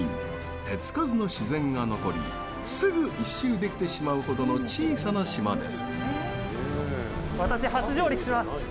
手つかずの自然が残りすぐ一周出来てしまうほどの小さな島です。